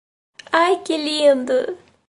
Ai que lindo!